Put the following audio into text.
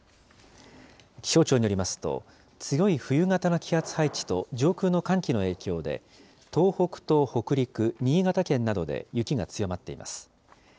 気象庁によりますと、強い冬型の気圧配置と、上空の寒気の影響で、東北と北陸、新潟県などで、雪が強まっています。